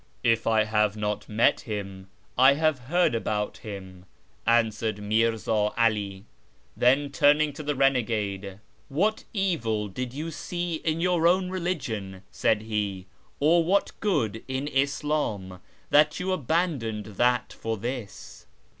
" If I have not met him I have heard about him," answered Mirza 'All ; then, turning to the renegade, " What evil did you see in your own religion," said he, " or what good in Islam, that you have abandoned that for this